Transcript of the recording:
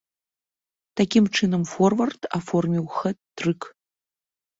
Такім чынам, форвард аформіў хэт-трык.